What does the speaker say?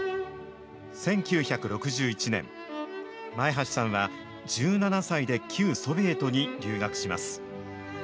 １９６１年、前橋さんは、１７歳で旧ソビエトに留学します。